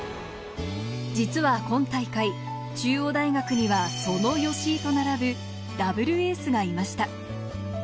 実は今大会、中央大学にはその吉居と並ぶダブルエースがいました。